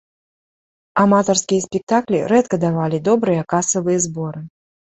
Аматарскія спектаклі рэдка давалі добрыя касавыя зборы.